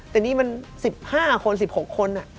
แต่นี่มัน๑๕คน๑๖คน